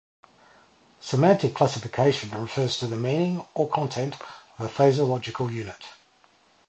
Semantic classification refers to the meaning or content of a phaseological unit.